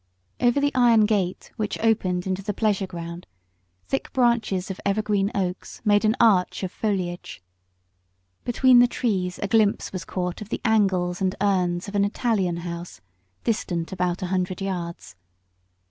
Over the iron gate which opened into the pleasure ground, thick branches of evergreen oaks made an arch of foliage, and between the trees a glimpse was caught of the angles and urns of an Italian house distant about a hundred yards.